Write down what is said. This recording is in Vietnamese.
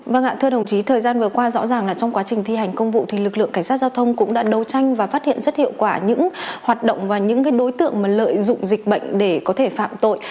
vâng ạ thưa đồng chí thời gian vừa qua rõ ràng là trong quá trình thi hành công vụ thì lực lượng cảnh sát giao thông cũng đã đấu tranh và phát hiện rất hiệu quả những hoạt động và những đối tượng lợi dụng dịch bệnh để có thể phạm tội